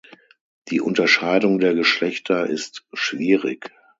Die Unterscheidung der Geschlechter ist schwierig.